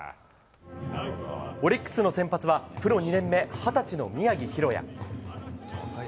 オリックスの先発はプロ２年目、二十歳の宮城大弥。